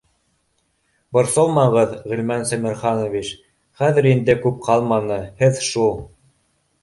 — Борсолмағыҙ, Ғилман Сәмерханович, хәҙер инде күп ҡалманы, һеҙ шул